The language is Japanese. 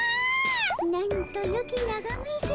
なんとよきながめじゃ。